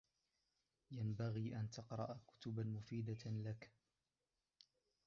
ينبغي أن تقرأ كتبا مفيدة لك.